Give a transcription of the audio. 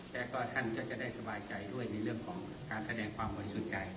แล้วก็ท่านก็จะได้สบายใจด้วยในเรื่องของการแสดงความบริสุทธิ์ใจ